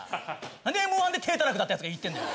なんでＭ−１で体たらくだったやつが言ってんだよ！